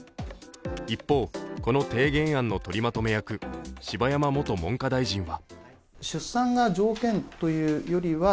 一方、この提言案の取りまとめ役柴山元文科大臣は。